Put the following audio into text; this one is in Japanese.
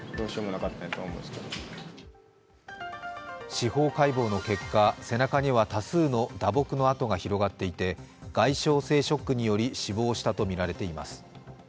司法解剖の結果、背中には多数の打撲の痕が広がっていて外傷性ショックにより死亡したとみられています。